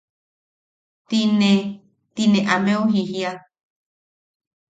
Ti ne... ti ne ameu jijia.